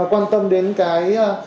quan tâm đến cái